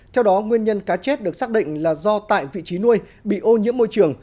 theo đó nguyên nhân cá chết được xác định là do tại vị trí nuôi bị ô nhiễm môi trường